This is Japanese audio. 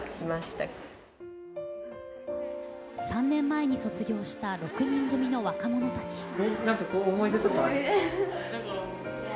３年前に卒業した６人組の若者たち。